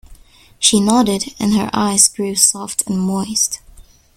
She nodded, and her eyes grew soft and moist.